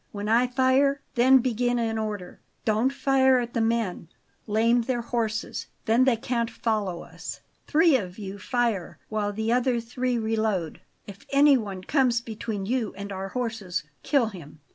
When I fire, then begin in order. Don't fire at the men; lame their horses then they can't follow us. Three of you fire, while the other three reload. If anyone comes between you and our horses, kill him.